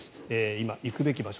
今、行くべき場所